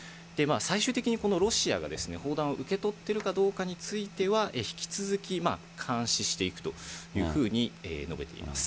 最終的にこのロシアが砲弾を受け取っているかどうかについては、引き続き監視していくというふうに述べています。